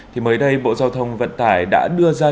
thì mới đây bộ giao thông vận tải đã đưa ra